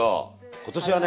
今年はね。